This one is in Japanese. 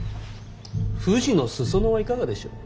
富士の裾野はいかがでしょう。